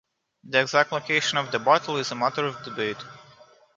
The exact location of the battle is a matter of debate.